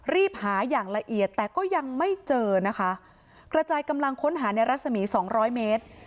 รีบหาอย่างละเอียดแต่ก็ยังไม่เจอนะคะกระจายกำลังค้นหาในรัศมีสองร้อยเมตร